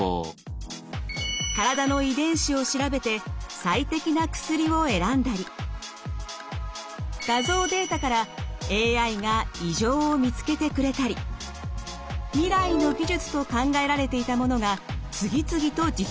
体の遺伝子を調べて最適な薬を選んだり画像データからＡＩが異常を見つけてくれたり未来の技術と考えられていたものが次々と実現しています。